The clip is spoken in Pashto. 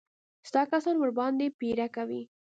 ستا کسان ورباندې پيره کوي.